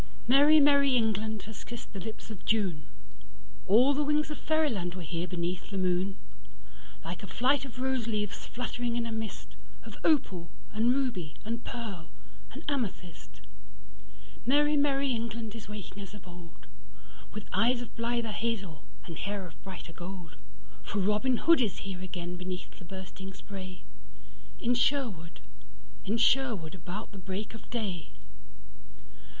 Merry, merry England has kissed the lips of June:All the wings of fairyland were here beneath the moon; Like a flight of rose leaves fluttering in a mistOf opal and ruby and pearl and amethyst. Merry, merry England is waking as of old, With eyes of blither hazel and hair of brighter gold:For Robin Hood is here again beneath the bursting sprayIn Sherwood, in Sherwood, about the break of day.